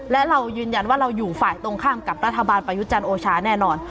และเรายืนยันว่าเราอยู่ฝ่ายตรงข้ามกับรัฐบาลประยุจันทร์โอชาแน่นอน